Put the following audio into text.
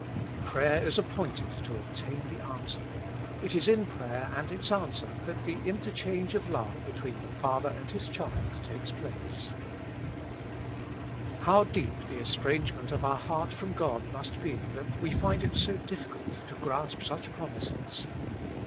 Prayer is appointed to obtain the answer. It is in prayer and its answer that the inter change of love between the Father and His child takes place. How deep the estrangement of our heart from God must be, that we find it so difficult to grasp such 44 With Christ in the School of Prayer. promises.